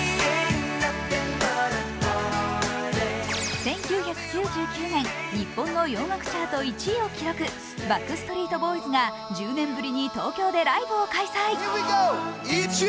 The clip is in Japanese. １９９９年、日本の洋楽チャート１位を記録、バックストリート・ボーイズが１０年ぶりに東京でライブを開催。